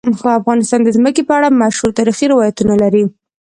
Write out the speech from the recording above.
افغانستان د ځمکه په اړه مشهور تاریخی روایتونه لري.